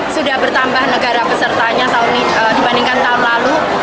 sudah bertambah negara pesertanya dibandingkan tahun lalu